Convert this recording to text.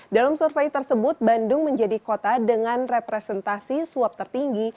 dalam survei tersebut bandung menjadi kota dengan representasi suap tertinggi